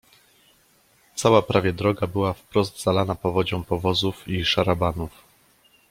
"Cała prawie droga była wprost zalana powodzią powozów i szarabanów."